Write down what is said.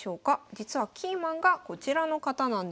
実はキーマンがこちらの方なんです。